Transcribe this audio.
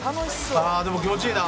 ああでも気持ちいいな。